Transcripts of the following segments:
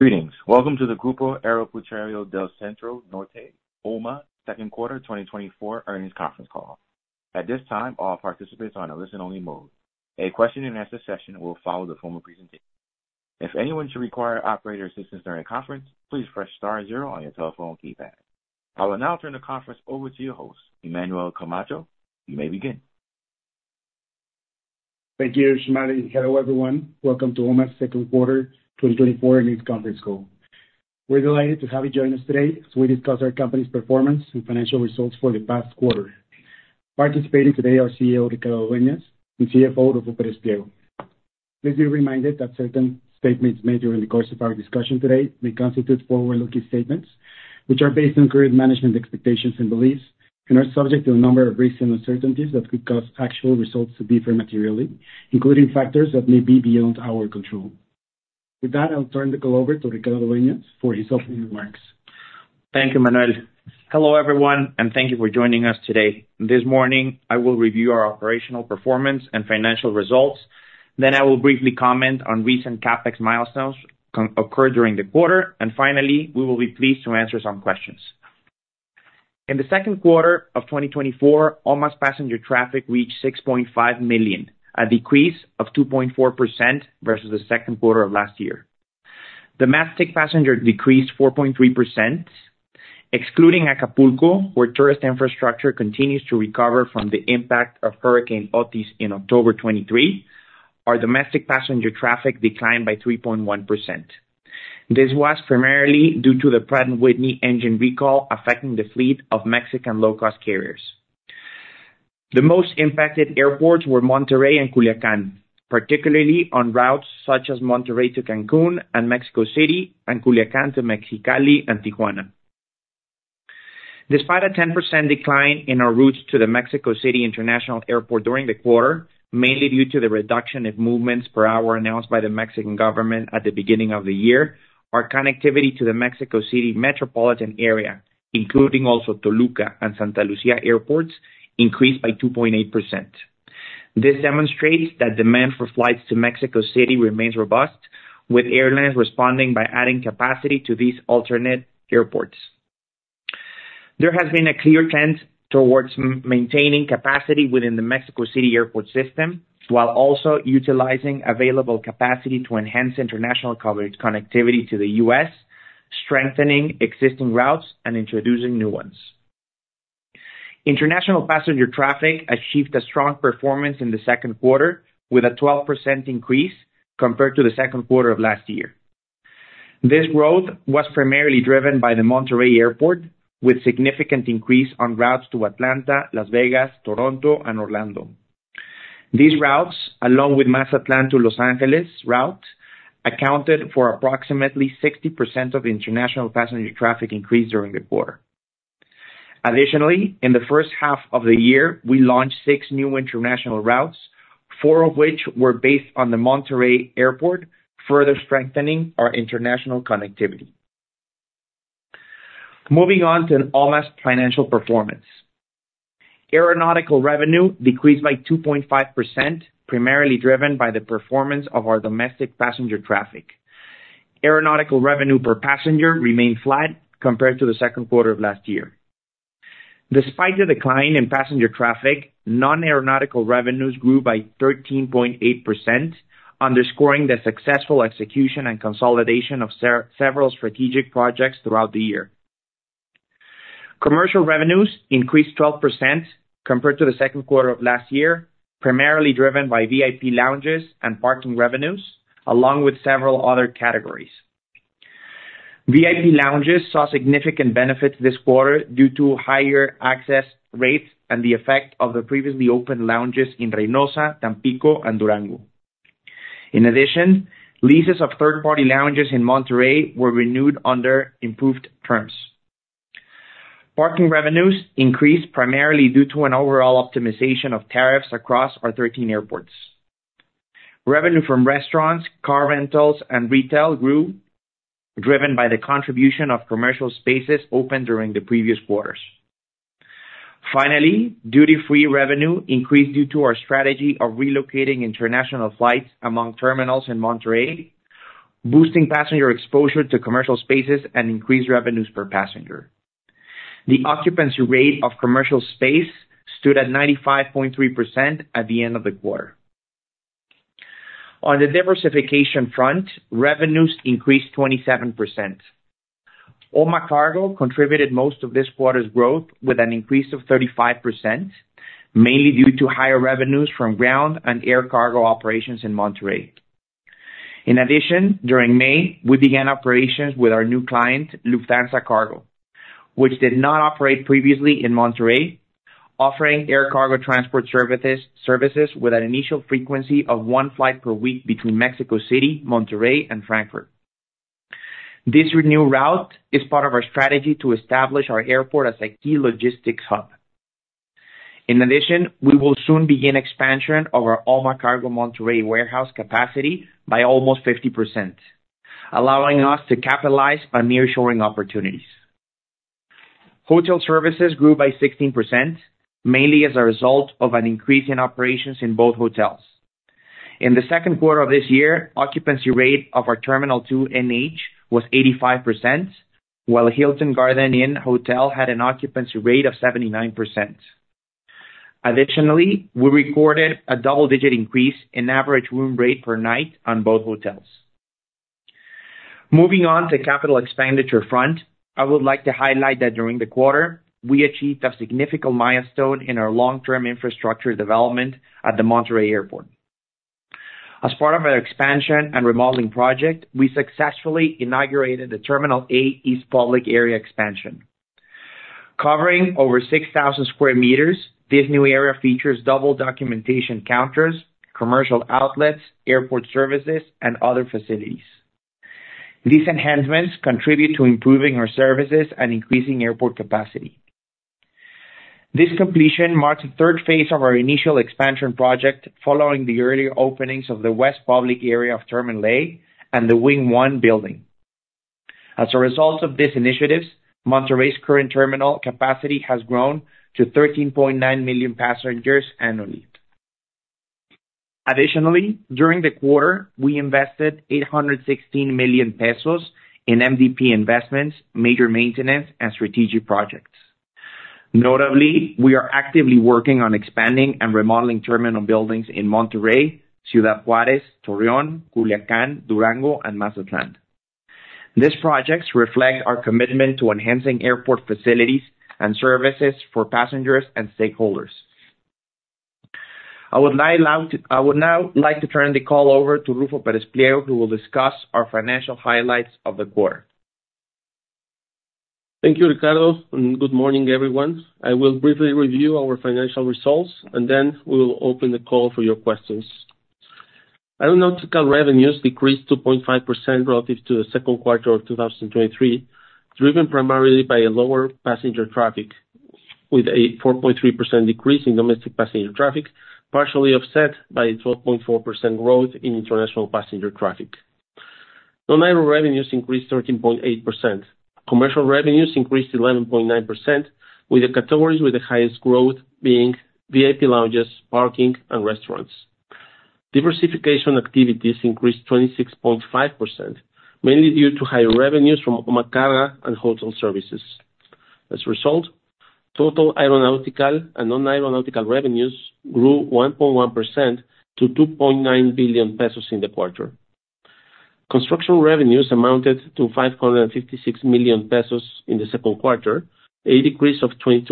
Greetings. Welcome to the Grupo Aeroportuario del Centro Norte OMA Second Quarter 2024 Earnings Conference Call. At this time, all participants are in a listen-only mode. A question-and-answer session will follow the formal presentation. If anyone should require operator assistance during conference, please press star zero on your telephone keypad. I will now turn the conference over to your host, Emmanuel Camacho. You may begin. Thank you, Shumari. Hello, everyone. Welcome to OMA's second quarter 2024 earnings conference call. We're delighted to have you join us today as we discuss our company's performance and financial results for the past quarter. Participating today are CEO Ricardo Dueñas and CFO Ruffo Pérez Pliego. Please be reminded that certain statements made during the course of our discussion today may constitute forward-looking statements, which are based on current management expectations and beliefs, and are subject to a number of risks and uncertainties that could cause actual results to differ materially, including factors that may be beyond our control. With that, I'll turn the call over to Ricardo Dueñas for his opening remarks. Thank you, Emmanuel. Hello, everyone, and thank you for joining us today. This morning, I will review our operational performance and financial results. Then I will briefly comment on recent CAPEX milestones occurred during the quarter. And finally, we will be pleased to answer some questions. In the second quarter of 2024, OMA's passenger traffic reached 6.5 million, a decrease of 2.4% versus the second quarter of last year. The international passenger decreased 4.3%. Excluding Acapulco, where tourist infrastructure continues to recover from the impact of Hurricane Otis in October 2023, our domestic passenger traffic declined by 3.1%. This was primarily due to the Pratt & Whitney engine recall affecting the fleet of Mexican low-cost carriers. The most impacted airports were Monterrey and Culiacán, particularly on routes such as Monterrey to Cancún and Mexico City and Culiacán to Mexicali and Tijuana. Despite a 10% decline in our routes to the Mexico City International Airport during the quarter, mainly due to the reduction in movements per hour announced by the Mexican government at the beginning of the year, our connectivity to the Mexico City metropolitan area, including also Toluca and Santa Lucía airports, increased by 2.8%. This demonstrates that demand for flights to Mexico City remains robust, with airlines responding by adding capacity to these alternate airports. There has been a clear trend towards maintaining capacity within the Mexico City airport system while also utilizing available capacity to enhance international connectivity to the U.S., strengthening existing routes, and introducing new ones. International passenger traffic achieved a strong performance in the second quarter, with a 12% increase compared to the second quarter of last year. This growth was primarily driven by the Monterrey airport, with significant increase on routes to Atlanta, Las Vegas, Toronto, and Orlando. These routes, along with the Atlanta to Los Angeles route, accounted for approximately 60% of international passenger traffic increase during the quarter. Additionally, in the first half of the year, we launched six new international routes, four of which were based on the Monterrey airport, further strengthening our international connectivity. Moving on to OMA's financial performance, aeronautical revenue decreased by 2.5%, primarily driven by the performance of our domestic passenger traffic. Aeronautical revenue per passenger remained flat compared to the second quarter of last year. Despite the decline in passenger traffic, non-aeronautical revenues grew by 13.8%, underscoring the successful execution and consolidation of several strategic projects throughout the year. Commercial revenues increased 12% compared to the second quarter of last year, primarily driven by VIP lounges and parking revenues, along with several other categories. VIP lounges saw significant benefits this quarter due to higher access rates and the effect of the previously opened lounges in Reynosa, Tampico, and Durango. In addition, leases of third-party lounges in Monterrey were renewed under improved terms. Parking revenues increased primarily due to an overall optimization of tariffs across our 13 airports. Revenue from restaurants, car rentals, and retail grew, driven by the contribution of commercial spaces opened during the previous quarters. Finally, duty-free revenue increased due to our strategy of relocating international flights among terminals in Monterrey, boosting passenger exposure to commercial spaces and increased revenues per passenger. The occupancy rate of commercial space stood at 95.3% at the end of the quarter. On the diversification front, revenues increased 27%. OMA Cargo contributed most of this quarter's growth with an increase of 35%, mainly due to higher revenues from ground and air cargo operations in Monterrey. In addition, during May, we began operations with our new client, Lufthansa Cargo, which did not operate previously in Monterrey, offering air cargo transport services with an initial frequency of one flight per week between Mexico City, Monterrey, and Frankfurt. This new route is part of our strategy to establish our airport as a key logistics hub. In addition, we will soon begin expansion of our OMA Cargo Monterrey warehouse capacity by almost 50%, allowing us to capitalize on near-shoring opportunities. Hotel services grew by 16%, mainly as a result of an increase in operations in both hotels. In the second quarter of this year, the occupancy rate of our Terminal 2 NH was 85%, while Hilton Garden Inn Hotel had an occupancy rate of 79%. Additionally, we recorded a double-digit increase in average room rate per night on both hotels. Moving on to the capital expenditure front, I would like to highlight that during the quarter, we achieved a significant milestone in our long-term infrastructure development at the Monterrey Airport. As part of our expansion and remodeling project, we successfully inaugurated the Terminal A East Public Area expansion. Covering over 6,000 square meters, this new area features double documentation counters, commercial outlets, airport services, and other facilities. These enhancements contribute to improving our services and increasing airport capacity. This completion marks the third phase of our initial expansion project following the earlier openings of the West Public Area of Terminal A and the Wing 1 building. As a result of these initiatives, Monterrey's current terminal capacity has grown to 13.9 million passengers annually. Additionally, during the quarter, we invested 816 million pesos in MDP investments, major maintenance, and strategic projects. Notably, we are actively working on expanding and remodeling terminal buildings in Monterrey, Ciudad Juárez, Torreón, Culiacán, Durango, and Mazatlán. These projects reflect our commitment to enhancing airport facilities and services for passengers and stakeholders. I would now like to turn the call over to Ruffo Pérez Pliego, who will discuss our financial highlights of the quarter. Thank you, Ricardo. Good morning, everyone. I will briefly review our financial results, and then we will open the call for your questions. Aeronautical revenues decreased 2.5% relative to the second quarter of 2023, driven primarily by a lower passenger traffic, with a 4.3% decrease in domestic passenger traffic, partially offset by a 12.4% growth in international passenger traffic. Non-aeronautical revenues increased 13.8%. Commercial revenues increased 11.9%, with the categories with the highest growth being VIP lounges, parking, and restaurants. Diversification activities increased 26.5%, mainly due to higher revenues from OMA Cargo and hotel services. As a result, total aeronautical and non-aeronautical revenues grew 1.1% to 2.9 billion pesos in the quarter. Construction revenues amounted to 556 million pesos in the second quarter, a decrease of 22%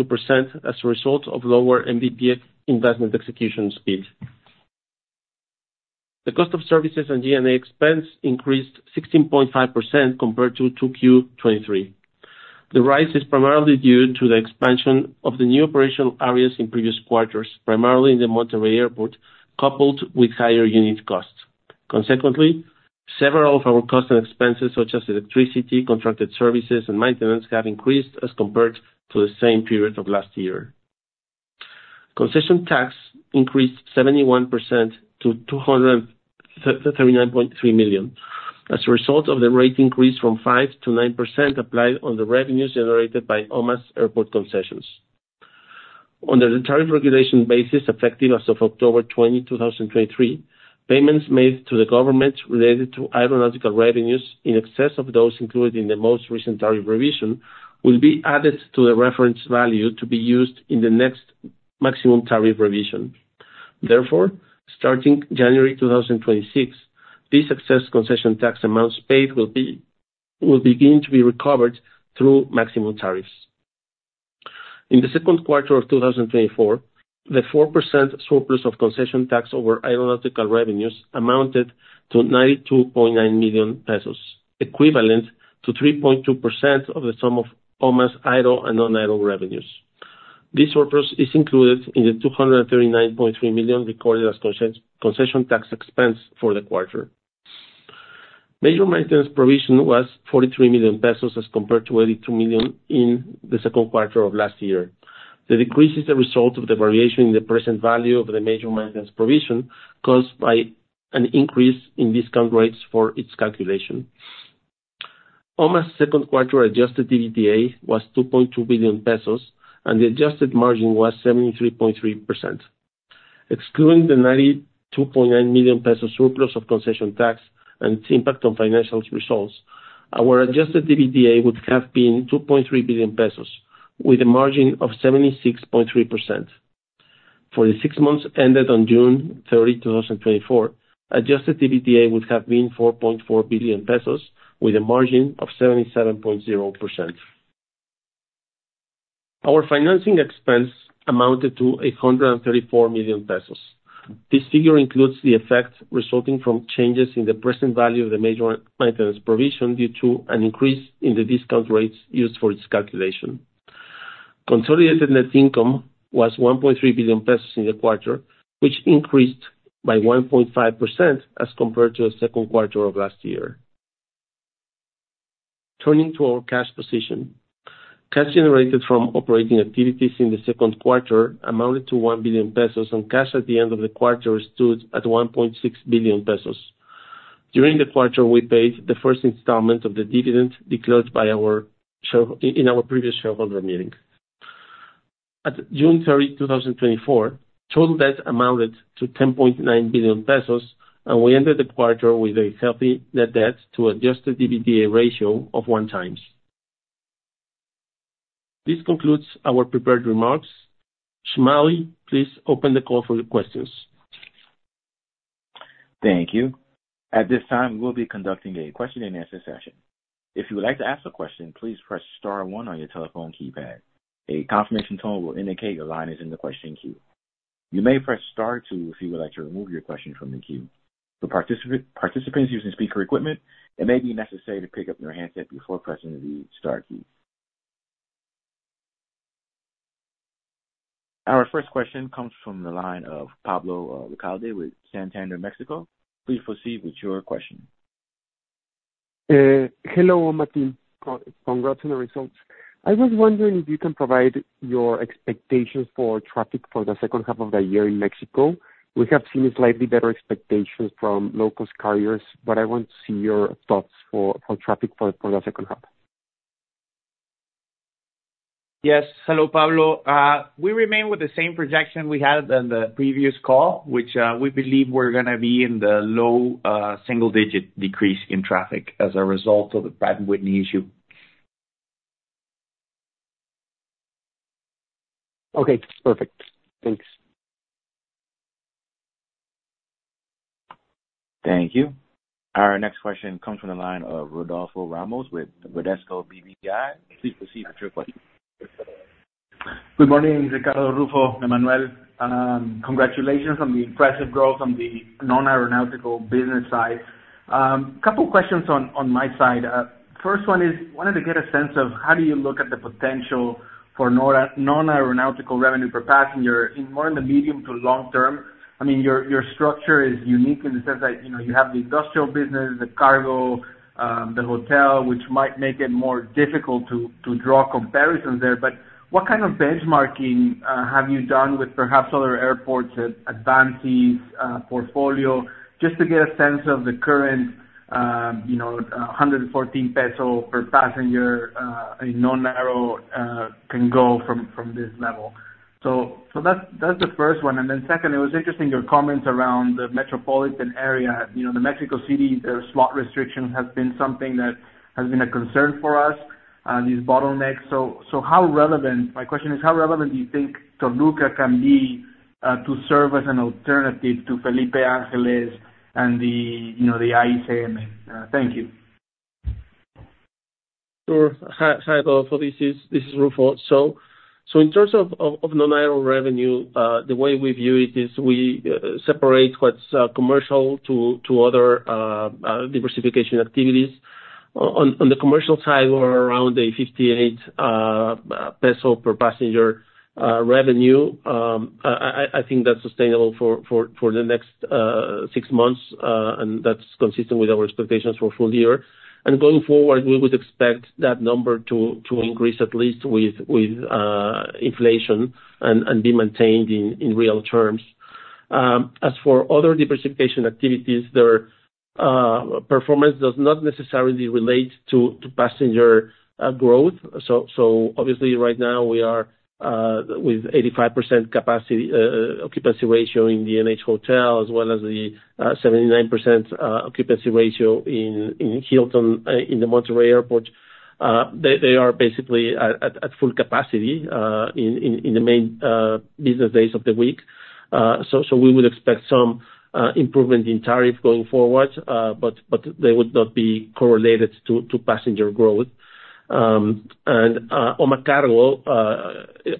as a result of lower MDP investment execution speed. The cost of services and G&A expense increased 16.5% compared to Q2023. The rise is primarily due to the expansion of the new operational areas in previous quarters, primarily in the Monterrey Airport, coupled with higher unit costs. Consequently, several of our costs and expenses, such as electricity, contracted services, and maintenance, have increased as compared to the same period of last year. Concession tax increased 71% to 239.3 million as a result of the rate increase from 5% to 9% applied on the revenues generated by OMA's airport concessions. Under the tariff regulation basis effective as of October 20, 2023, payments made to the government related to aeronautical revenues in excess of those included in the most recent tariff revision will be added to the reference value to be used in the next maximum tariff revision. Therefore, starting January 2026, these excess concession tax amounts paid will begin to be recovered through maximum tariffs. In the second quarter of 2024, the 4% surplus of concession tax over aeronautical revenues amounted to 92.9 million pesos, equivalent to 3.2% of the sum of OMA's aero and non-aero revenues. This surplus is included in the 239.3 million recorded as concession tax expense for the quarter. Major maintenance provision was 43 million pesos as compared to 82 million in the second quarter of last year. The decrease is the result of the variation in the present value of the major maintenance provision caused by an increase in discount rates for its calculation. OMA's second quarter adjusted EBITDA was 2.2 billion pesos, and the adjusted margin was 73.3%. Excluding the 92.9 million pesos surplus of concession tax and its impact on financial results, our adjusted EBITDA would have been 2.3 billion pesos, with a margin of 76.3%. For the six months ended on June 30, 2024, adjusted EBITDA would have been 4.4 billion pesos, with a margin of 77.0%. Our financing expense amounted to 134 million pesos. This figure includes the effect resulting from changes in the present value of the major maintenance provision due to an increase in the discount rates used for its calculation. Consolidated net income was 1.3 billion pesos in the quarter, which increased by 1.5% as compared to the second quarter of last year. Turning to our cash position, cash generated from operating activities in the second quarter amounted to 1 billion pesos, and cash at the end of the quarter stood at 1.6 billion pesos. During the quarter, we paid the first installment of the dividend declared by our previous shareholder meeting. At June 30, 2024, total debt amounted to 10.9 billion pesos, and we ended the quarter with a healthy net debt to adjusted EBITDA ratio of one times. This concludes our prepared remarks. Shumari, please open the call for your questions. Thank you. At this time, we'll be conducting a question and answer session. If you would like to ask a question, please press Star 1 on your telephone keypad. A confirmation tone will indicate your line is in the question queue. You may press Star 2 if you would like to remove your question from the queue. For participants using speaker equipment, it may be necessary to pick up your handset before pressing the Star key. Our first question comes from the line of Pablo Ricalde with Santander México. Please proceed with your question. Hello, Martín. Congrats on the results. I was wondering if you can provide your expectations for traffic for the second half of the year in Mexico. We have seen slightly better expectations from low-cost carriers, but I want to see your thoughts for traffic for the second half. Yes. Hello, Pablo. We remain with the same projection we had on the previous call, which we believe we're going to be in the low single-digit decrease in traffic as a result of the Pratt & Whitney issue. Okay. Perfect. Thanks. Thank you. Our next question comes from the line of Rodolfo Ramos with Bradesco BBI. Please proceed with your question. Good morning, Ricardo Dueñas, Ruffo Pérez. Congratulations on the impressive growth on the non-aeronautical business side. A couple of questions on my side. First one is, I wanted to get a sense of how do you look at the potential for non-aeronautical revenue per passenger in more in the medium to long term? I mean, your structure is unique in the sense that you have the industrial business, the cargo, the hotel, which might make it more difficult to draw comparisons there. But what kind of benchmarking have you done with perhaps other airports' advances portfolio just to get a sense of the current 114 peso per passenger in non-aero can go from this level? So that's the first one. And then second, it was interesting your comments around the metropolitan area. The Mexico City, the slot restrictions have been something that has been a concern for us, these bottlenecks. How relevant? My question is, how relevant do you think Toluca can be to serve as an alternative to Felipe Ángeles and the AICM? Thank you. Sure. Hi, Adolfo. This is Ruffo. So in terms of non-aeronautical revenue, the way we view it is we separate what's commercial to other diversification activities. On the commercial side, we're around a 58 peso per passenger revenue. I think that's sustainable for the next six months, and that's consistent with our expectations for full year. And going forward, we would expect that number to increase at least with inflation and be maintained in real terms. As for other diversification activities, their performance does not necessarily relate to passenger growth. So obviously, right now, we are with 85% occupancy ratio in the NH Hotel, as well as the 79% occupancy ratio in Hilton in the Monterrey Airport. They are basically at full capacity in the main business days of the week. So we would expect some improvement in tariff going forward, but they would not be correlated to passenger growth. OMA Cargo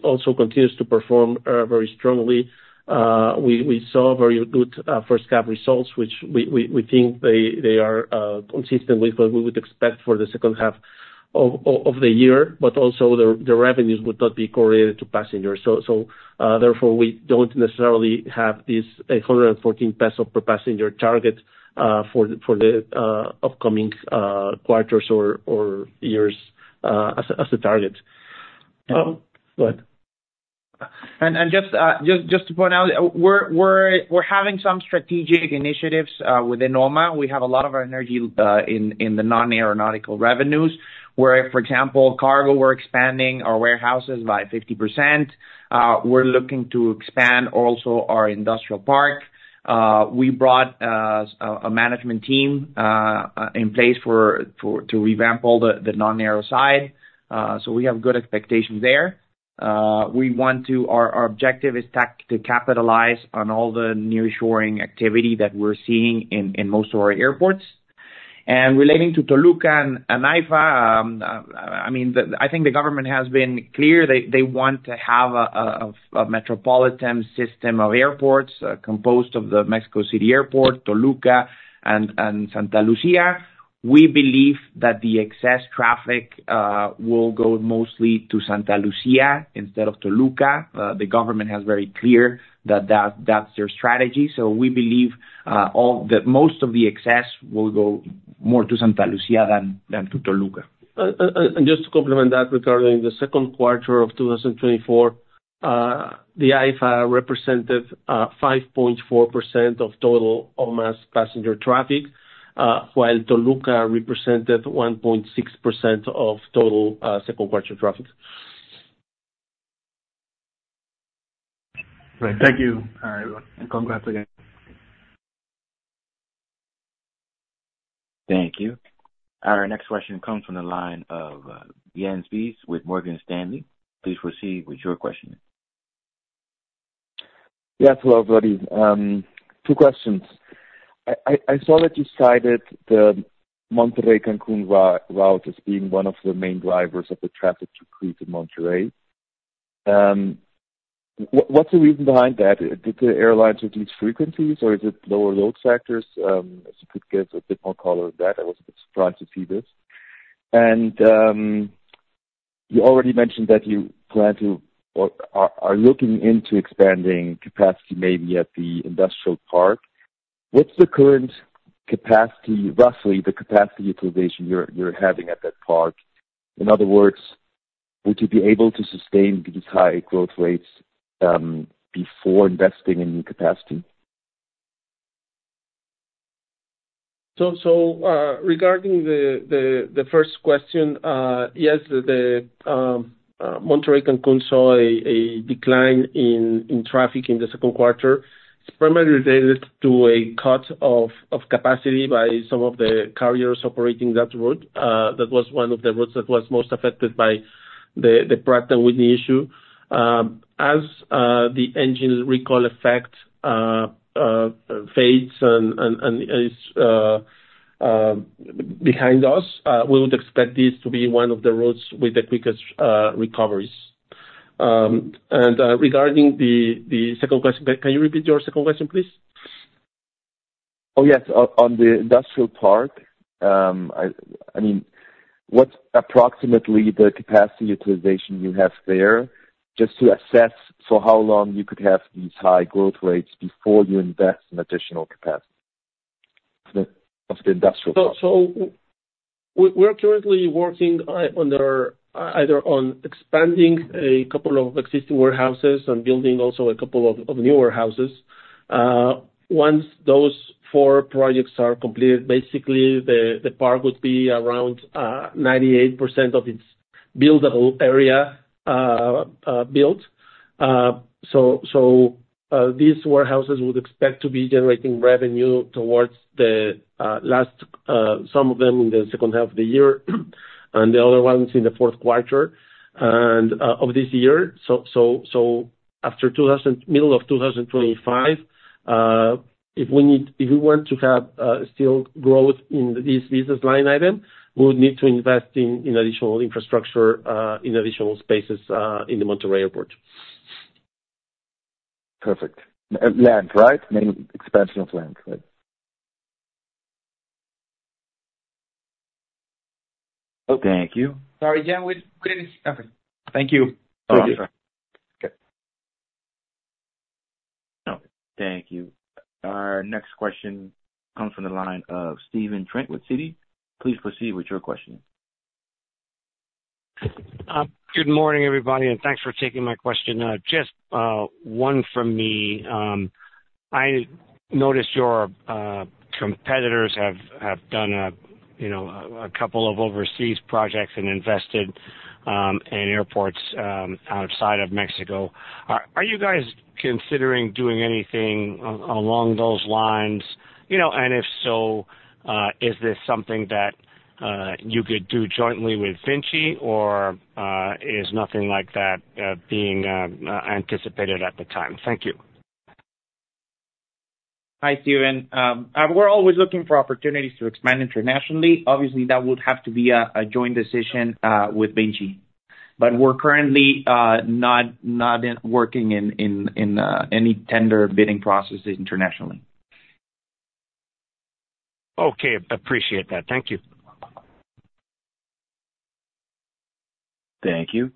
also continues to perform very strongly. We saw very good first-half results, which we think they are consistent with what we would expect for the second half of the year, but also the revenues would not be correlated to passengers. Therefore, we don't necessarily have this 114 peso per passenger target for the upcoming quarters or years as a target. Go ahead. And just to point out, we're having some strategic initiatives within OMA. We have a lot of our energy in the non-aeronautical revenues, where, for example, Cargo, we're expanding our warehouses by 50%. We're looking to expand also our industrial park. We brought a management team in place to revamp all the non-aero side. So we have good expectations there. Our objective is to capitalize on all the nearshoring activity that we're seeing in most of our airports. And relating to Toluca and AIFA, I mean, I think the government has been clear they want to have a metropolitan system of airports composed of the Mexico City Airport, Toluca, and Santa Lucía. We believe that the excess traffic will go mostly to Santa Lucía instead of Toluca. The government has very clear that that's their strategy. We believe that most of the excess will go more to Santa Lucía than to Toluca. Just to complement that, regarding the second quarter of 2024, the AIFA represented 5.4% of total OMA's passenger traffic, while Toluca represented 1.6% of total second-quarter traffic. Great. Thank you, everyone. Congrats again. Thank you. Our next question comes from the line of Jens Spiess with Morgan Stanley. Please proceed with your question. Yes, hello, everybody. Two questions. I saw that you cited the Monterrey-Cancún route as being one of the main drivers of the traffic to freight and Monterrey. What's the reason behind that? Did the airlines reduce frequencies, or is it lower load factors? If you could give a bit more color on that, I was a bit surprised to see this. And you already mentioned that you plan to or are looking into expanding capacity maybe at the industrial park. What's the current capacity, roughly the capacity utilization you're having at that park? In other words, would you be able to sustain these high growth rates before investing in new capacity? Regarding the first question, yes, the Monterrey-Cancún saw a decline in traffic in the second quarter. It's primarily related to a cut of capacity by some of the carriers operating that route. That was one of the routes that was most affected by the Pratt & Whitney issue. As the engine recall effect fades and is behind us, we would expect this to be one of the routes with the quickest recoveries. Regarding the second question, can you repeat your second question, please? Oh, yes. On the industrial park, I mean, what's approximately the capacity utilization you have there just to assess for how long you could have these high growth rates before you invest in additional capacity of the industrial park? So we're currently working either on expanding a couple of existing warehouses and building also a couple of new warehouses. Once those 4 projects are completed, basically, the park would be around 98% of its buildable area built. So these warehouses would expect to be generating revenue towards the last some of them in the second half of the year and the other ones in the fourth quarter of this year. So after middle of 2025, if we want to have still growth in this business line item, we would need to invest in additional infrastructure in additional spaces in the Monterrey Airport. Perfect. Land, right? I mean, expansion of land, right? Thank you. Sorry, Yann, we didn't, okay. Thank you. Okay. Okay. Thank you. Our next question comes from the line of Stephen Trent with Citi. Please proceed with your question. Good morning, everybody, and thanks for taking my question. Just one from me. I noticed your competitors have done a couple of overseas projects and invested in airports outside of Mexico. Are you guys considering doing anything along those lines? And if so, is this something that you could do jointly with VINCI, or is nothing like that being anticipated at the time? Thank you. Hi, Steven. We're always looking for opportunities to expand internationally. Obviously, that would have to be a joint decision with VINCHI, but we're currently not working in any tender bidding processes internationally. Okay. Appreciate that. Thank you. Thank you.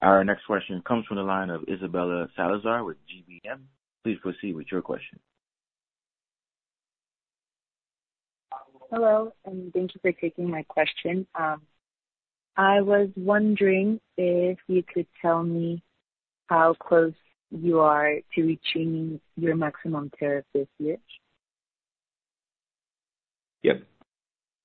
Our next question comes from the line of Isabela Salazar with GBM. Please proceed with your question. Hello, and thank you for taking my question. I was wondering if you could tell me how close you are to reaching your maximum tariff this year. Yep.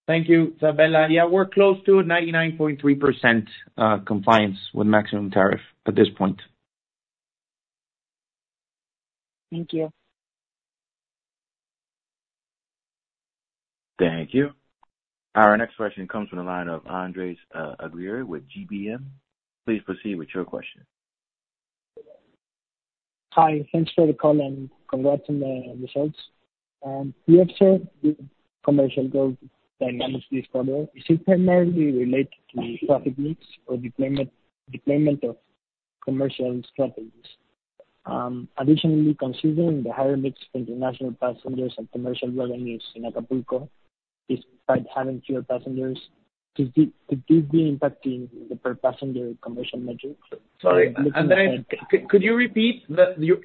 Thank you, Isabella. Yeah, we're close to 99.3% compliance with maximum tariff at this point. Thank you. Thank you. Our next question comes from the line of Andres Aguirre with GBM. Please proceed with your question. Hi, thanks for the call, and congrats on the results. We observed the commercial growth dynamics this quarter. Is it primarily related to traffic mix or deployment of commercial strategies? Additionally, considering the higher mix of international passengers and commercial revenues in Acapulco despite having fewer passengers, could this be impacting the per-passenger commercial metrics? Sorry, Andres, could you repeat?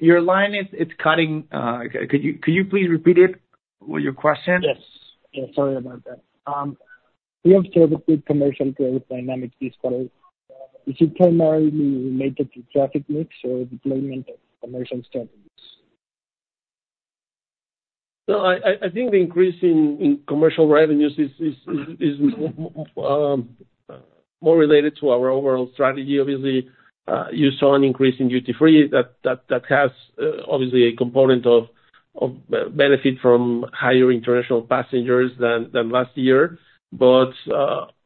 Your line is cutting. Could you please repeat it, your question? YesYes. Yeah, sorry about that. We observed a good commercial growth dynamic this quarter. Is it primarily related to traffic mix or deployment of commercial strategies? Well, I think the increase in commercial revenues is more related to our overall strategy. Obviously, you saw an increase in duty-free. That has obviously a component of benefit from higher international passengers than last year. But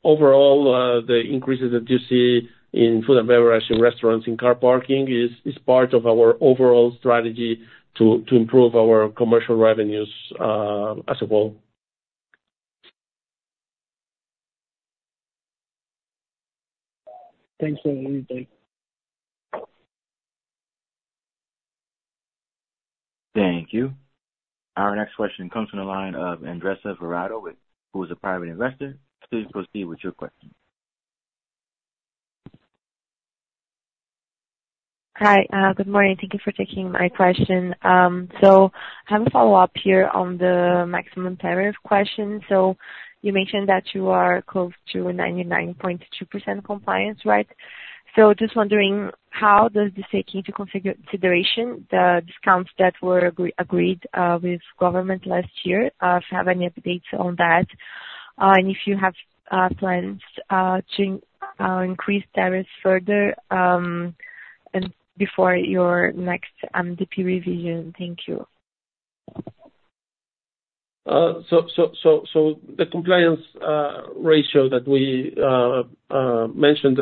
overall, the increases that you see in food and beverage, in restaurants, in car parking is part of our overall strategy to improve our commercial revenues as a whole. Thanks for the insight. Thank you. Our next question comes from the line of Andressa, who is a private investor. Please proceed with your question. Hi, good morning. Thank you for taking my question. So I have a follow-up here on the maximum tariff question. So you mentioned that you are close to 99.2% compliance, right? So just wondering, how does this take into consideration the discounts that were agreed with government last year? If you have any updates on that, and if you have plans to increase tariffs further before your next MDP revision? Thank you. The compliance ratio that we mentioned,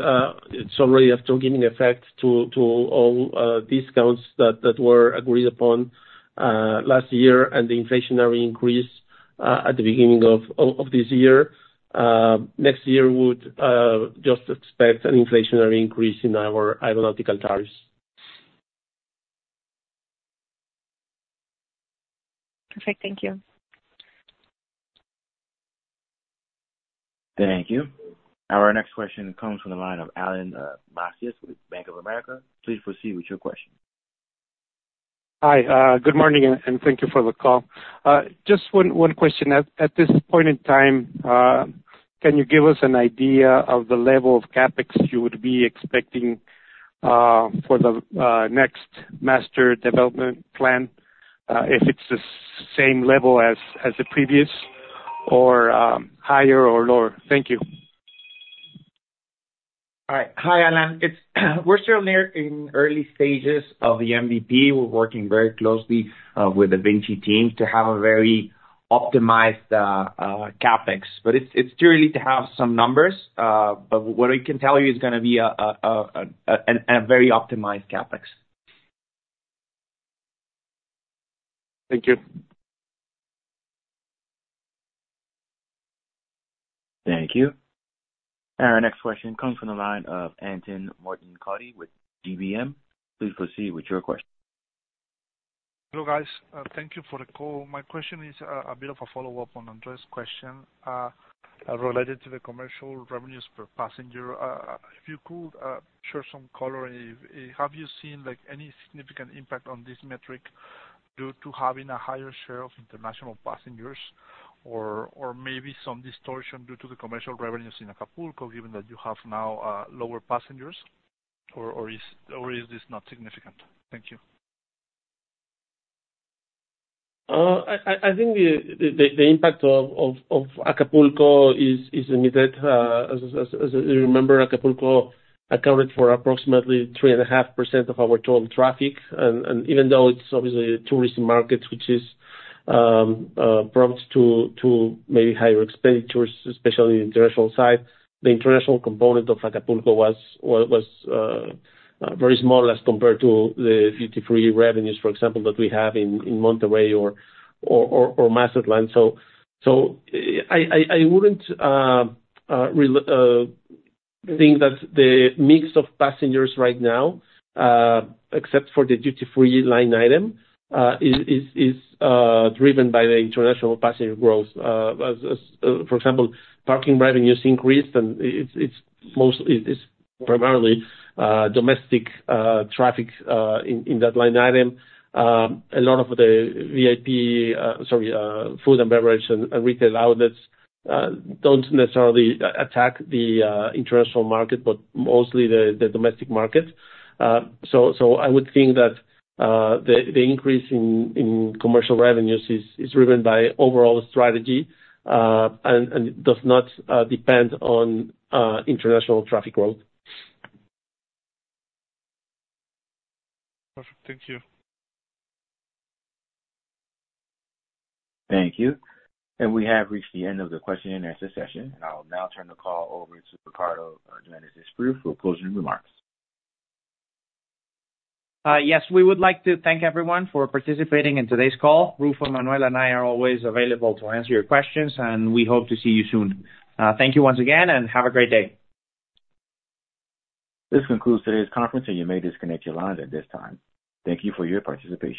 it's already after giving effect to all discounts that were agreed upon last year and the inflationary increase at the beginning of this year. Next year, we would just expect an inflationary increase in our aeronautical tariffs. Perfect. Thank you. Thank you. Our next question comes from the line of Alan Macías with Bank of America. Please proceed with your question. Hi, good morning, and thank you for the call. Just one question. At this point in time, can you give us an idea of the level of CapEx you would be expecting for the next master development plan, if it's the same level as the previous or higher or lower? Thank you. All right. Hi, Alan. We're still in early stages of the MDP. We're working very closely with the VINCI team to have a very optimized CAPEX. But it's too early to have some numbers, but what we can tell you is going to be a very optimized CAPEX. Thank you. Thank you. Our next question comes from the line of Anton Morton with GBM. Please proceed with your question. Hello, guys. Thank you for the call. My question is a bit of a follow-up on Andres' question related to the commercial revenues per passenger. If you could share some color, have you seen any significant impact on this metric due to having a higher share of international passengers, or maybe some distortion due to the commercial revenues in Acapulco, given that you have now lower passengers, or is this not significant? Thank you. I think the impact of Acapulco is limited. As you remember, Acapulco accounted for approximately 3.5% of our total traffic. Even though it's obviously a tourist market, which is prone to maybe higher expenditures, especially on the international side, the international component of Acapulco was very small as compared to the duty-free revenues, for example, that we have in Monterrey or Mazatlán. I wouldn't think that the mix of passengers right now, except for the duty-free line item, is driven by the international passenger growth. For example, parking revenues increased, and it's primarily domestic traffic in that line item. A lot of the VIP, sorry, food and beverage and retail outlets don't necessarily attack the international market, but mostly the domestic market. I would think that the increase in commercial revenues is driven by overall strategy and does not depend on international traffic growth. Perfect. Thank you. Thank you. We have reached the end of the question-and-answer session, and I'll now turn the call over to Ricardo Dueñas Espriu for closing remarks. Yes, we would like to thank everyone for participating in today's call. Ruffo Emmanuel and I are always available to answer your questions, and we hope to see you soon. Thank you once again, and have a great day. This concludes today's conference, and you may disconnect your lines at this time. Thank you for your participation.